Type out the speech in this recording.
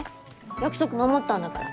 約束守ったんだから。